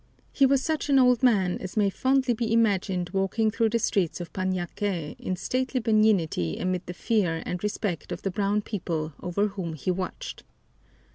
He was such an old man as may fondly be imagined walking through the streets of Parañaque in stately benignity amid the fear and respect of the brown people over whom he watched.